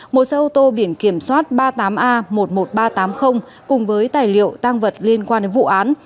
một xe ô tô biển kiểm soát ba mươi tám a một mươi một nghìn ba trăm tám mươi cùng với tài liệu tăng vật liên quan đến vụ án